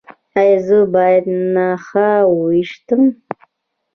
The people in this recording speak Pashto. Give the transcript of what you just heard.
ایا زه باید نښه وویشتم؟